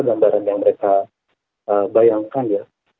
gambaran yang mereka bayangkan ya